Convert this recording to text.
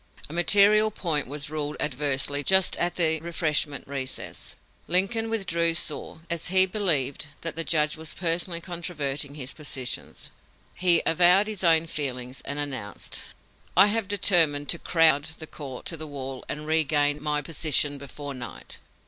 A material point was ruled adversely just at the refreshment recess. Lincoln withdrew sore, as he believed that the judge was personally controverting his positions. He avowed his own feelings, and announced: "I have determined to crowd the court to the wall and regain my position before night."